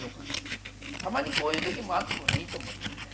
たまにこういう時もあってもねいいと思うんだよね。